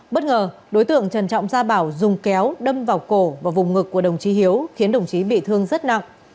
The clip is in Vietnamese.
bất ngờ đối tượng trần trọng gia bảo dùng kéo đâm vào cổ và vùng ngực của đồng chí hiếu khiến đồng chí bị thương rất nặng